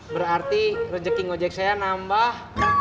berarti rejeki gojek saya nambah